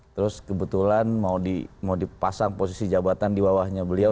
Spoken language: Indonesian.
terus kebetulan mau dipasang posisi jabatan di bawahnya beliau